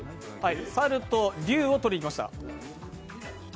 猿と龍を取りにいきました。